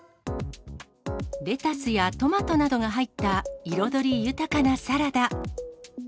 レタスやトマトなどが入った彩り豊かなサラダ。